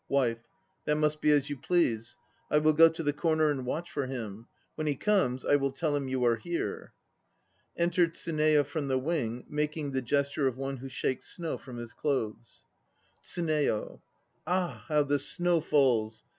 WIFE. That must be as you please. I will go to the corner and watch for him. When he comes I will tell him you are here. (Enter TSUNEYO from the wing, making the gesture of one who shakes snow from his clothes.) TSUNEYO. Ah! How the snow falls!